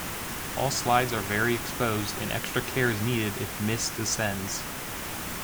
All sides are very exposed, and extra care is needed if mist descends.